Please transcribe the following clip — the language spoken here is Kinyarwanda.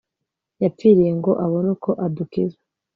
yapfiriye, ngo abone uko adukiza